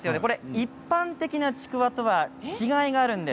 一般的な、ちくわとは違いがあるんです。